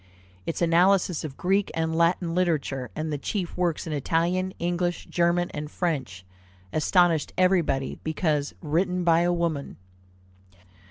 Its analysis of Greek and Latin literature, and the chief works in Italian, English, German, and French, astonished everybody, because written by a woman!